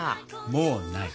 もうない！